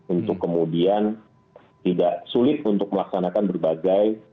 untuk kemudian tidak sulit untuk melaksanakan berbagai